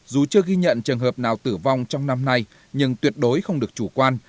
dù chưa ghi nhận trường hợp nào tử vong trong năm nay nhưng tuyệt đối không được chủ quan